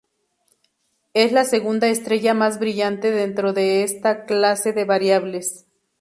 Es la segunda estrella más brillante dentro de esta clase de variables.